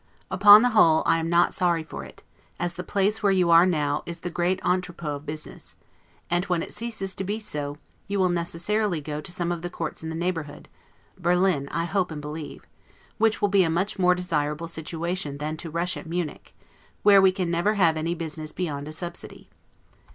Upon the whole, I am not sorry for it, as the place where you are now is the great entrepot of business; and, when it ceases to be so, you will necessarily go to some of the courts in the neighborhood (Berlin, I hope and believe), which will be a much more desirable situation than to rush at Munich, where we can never have any business beyond a subsidy.